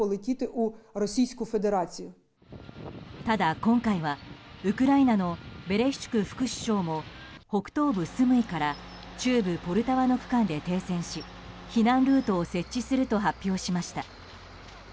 ただ、今回はウクライナのベレシュチュク副首相も北東部スムイから中部ポルタワの区間で停戦し避難ルートを設置すると発表しました。